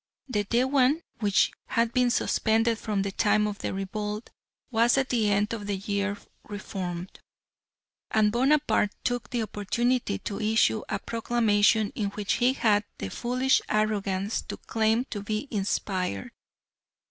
The Dewan, which had been suspended from the time of the revolt, was at the end of the year re formed, and Bonaparte took the opportunity to issue a proclamation in which he had the foolish arrogance to claim to be inspired.